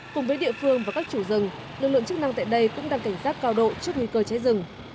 cùng với địa phương và các chủ rừng lực lượng chức năng tại đây cũng đang cảnh giác cao độ trước nguy cơ cháy rừng